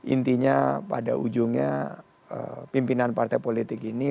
intinya pada ujungnya pimpinan partai politik ini